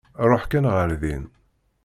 Ṛuḥ kan ɣer din.